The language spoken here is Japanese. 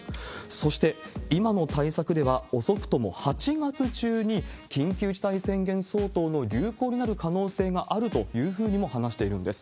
そして、今の対策では、遅くとも８月中に緊急事態宣言相当の流行になる可能性があるというふうにも話しているんです。